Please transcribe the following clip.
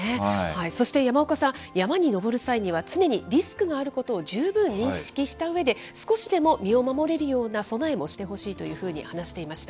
そして山岡さん、山に登る際には、常にリスクがあることを十分認識したうえで、少しでも身を守れるような備えもしてほしいというふうに話していました。